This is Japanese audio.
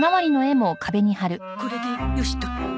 これでよしと。